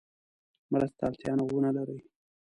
مرستې ته اړتیا ونه لري.